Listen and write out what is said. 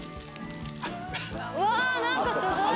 うわ何かすごい！